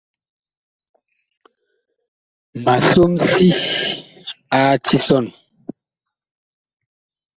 Ma som si a tisɔn.